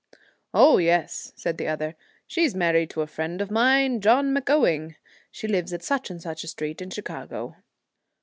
' Oh yes,' said the other, ' she is married to a friend of mine, John MacEwing. She lives at such and such a street in Chicago.'